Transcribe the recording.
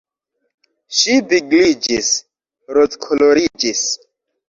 Ŝi vigliĝis, rozkoloriĝis.